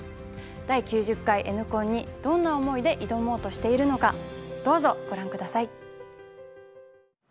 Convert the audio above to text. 第９０回Ｎコンにどんな思いで挑もうとしているのかどうぞご覧下さい。